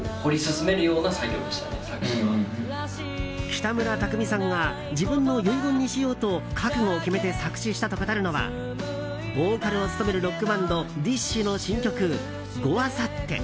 北村匠海さんが自分の遺言にしようと覚悟を決めて作詞したと語るのはボーカルを務めるロックバンドＤＩＳＨ／／の新曲「五明後日」。